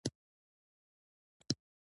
مړه ته د شپه نیمایي دعا کوو